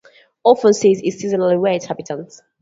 Often seen in seasonally wet habitats.